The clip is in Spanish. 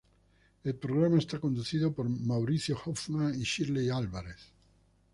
El programa es conducido por Mauricio Hoffman y Shirley Álvarez.